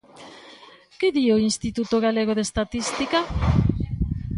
¿Que di o Instituto Galego de Estatística?